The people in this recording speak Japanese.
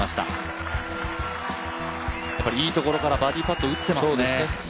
やっぱり、いいところからバーディーパット打ってますね。